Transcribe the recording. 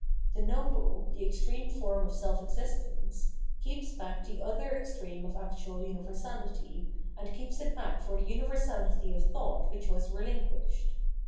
The noble, the extreme form of self existence, keeps back the other extreme of actual ■universahty, and keeps it back for the universahty of thought which was relinquished.